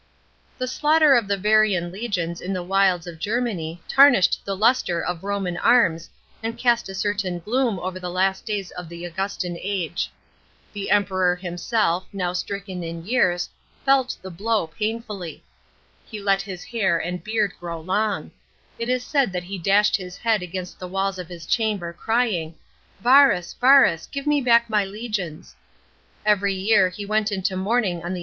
§ 12. The slaughter of the Varian legions in the wilds of Germany tarnished the lustre of Roman arms, and cast a certain gloom over the last days of the Augustan age. The Emperor himself, now stricken in years, felt the blow painfully. He let his hair and beard grow long. It is said that he dashed his head against the walls of his chamber, crying, " Varus, Varus, give me back my legions !" Every year he went into mourning on the 138 WINNING AND LOSING OF GEKMANY. CHAP. ix.